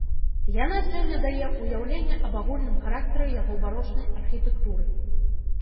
Яна сёння дае ўяўленне аб агульным характары яго барочнай архітэктуры.